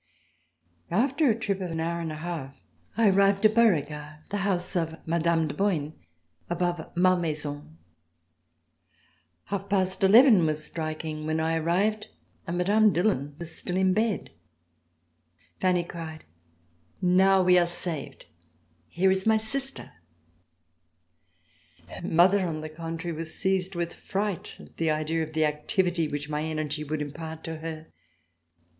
After a trip of an hour and a half, I arrived at Beauregard, the house of Mme. de Boigne, above Malmaison. Half past eleven was striking when I RECOLLECTIONS OF THE REVOLUTION arrived, and Mme. Dillon was still in bed. Fanny cried: "Now we are saved. Here is my sister!" Her mother, on the contrary, was seized with fright at the idea of the activity which my energy would impart to her.